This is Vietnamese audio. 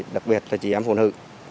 đặc biệt là chị em phụ nữ